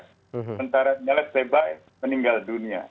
sementara nyalet sebae meninggal dunia